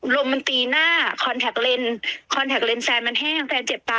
ลมมันตีหน้าคอนแท็กเลนคอนแท็กเลนแซนมันแห้งแฟนเจ็บตา